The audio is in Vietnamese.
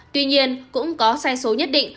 tuy nhiên cũng có sai số nhất định